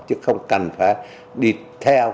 chứ không cần phải đi theo